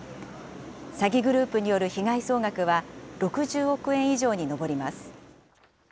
詐欺グループによる被害総額は６０億円以上に上ります。